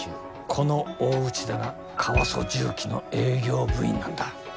この大内田がカワソ什器の営業部員なんだ。